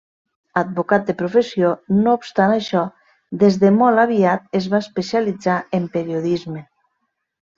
Advocat de professió, no obstant això, des de molt aviat es va especialitzar en periodisme.